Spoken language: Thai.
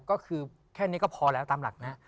ก็คือแค่นี้ก็พอแล้วตามหลักนะ